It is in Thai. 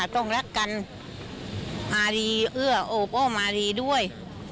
ต้องรักกันอารีเอื้อโอบอ้อมอารีด้วย